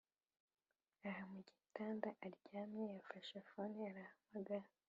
aha mugitanda aryamye yafashe fone arahamagara